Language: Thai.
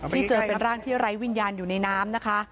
ที่เจอเป็นร่างที่ไร้วิญญาณอยู่ในน้ำนะคะ